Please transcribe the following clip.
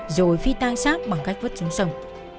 rồi phi tan sát bằng cách vứt xuống sông